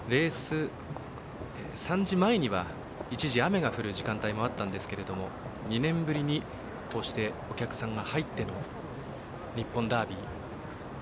３時前には、一時、雨が降る時間帯もあったんですけれども２年ぶりにこうしてお客さんが入っての日本ダービー。